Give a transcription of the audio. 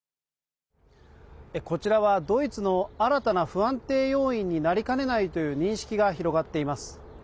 こちらは、ドイツの新たな不安定要因になりかねないという認識が広がっています。